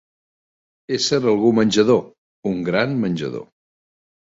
Ésser algú menjador, un gran menjador.